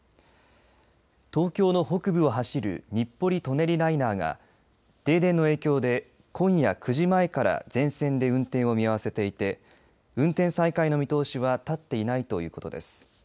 東京の北部を走る日暮里・舎人ライナーが停電の影響で今夜９時前から全線で運転を見合わせていて運転再開の見通しは立っていないということです。